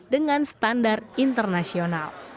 dengan standar internasional